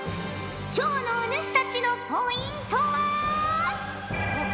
今日のお主たちのポイントは。